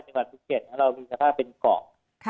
จังหวัดภูเก็ตเรามีสภาพเป็นเกาะ